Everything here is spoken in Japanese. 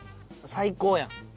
最高やん。